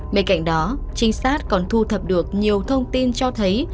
bên cạnh đó trinh sát còn thu thập được nhiều thông tin cho thấy